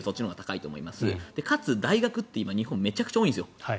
かつ、大学の数が今、日本めちゃくちゃ多いんですよ。